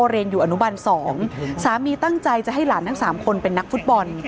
เรียนอยู่อนุบันสองสามีตั้งใจจะให้หลานทั้งสามคนเป็นนักฟุตบอล